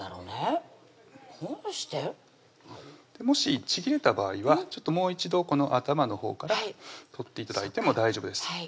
もしちぎれた場合はもう一度この頭のほうから取って頂いても大丈夫です